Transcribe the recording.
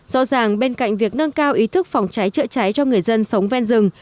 do rằng bên cạnh việc nâng cao ý thức phòng cháy chữa cháy cho người dân sống ven rừng